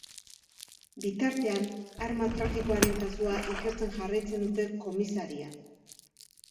Bitartean, arma-trafikoaren kasua ikertzen jarraitzen dute komisarian.